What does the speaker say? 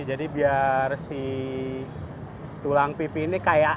jadi biar si tulang pipi ini kayak